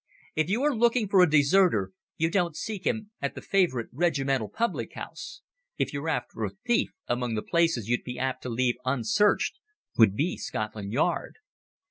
If you are looking for a deserter you don't seek him at the favourite regimental public house. If you're after a thief, among the places you'd be apt to leave unsearched would be Scotland Yard.